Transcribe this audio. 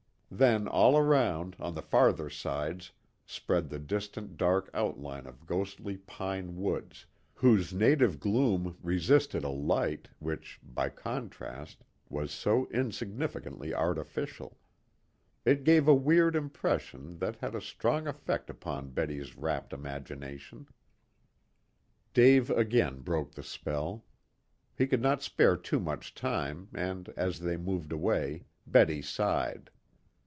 Then all around, on the farther sides, spread the distant dark outline of ghostly pine woods, whose native gloom resisted a light, which, by contrast, was so insignificantly artificial. It gave a weird impression that had a strong effect upon Betty's rapt imagination. Dave again broke the spell. He could not spare too much time, and, as they moved away, Betty sighed.